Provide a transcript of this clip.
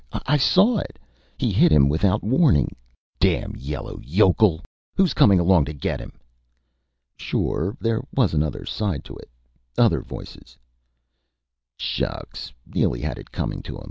I saw. He hit without warning.... Damn yella yokel.... Who's comin' along to get him?..." Sure there was another side to it other voices: "Shucks Neely had it coming to him.